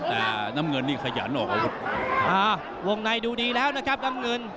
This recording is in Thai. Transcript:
แต่น้ำเงินนี่ขยันออกอาวุธวงในดูดีแล้วนะครับน้ำเงิน